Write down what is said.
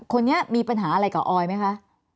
คนนี้มีปัญหาอะไรกับออยไหมคะ